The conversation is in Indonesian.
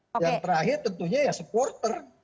yang terakhir tentunya ya supporter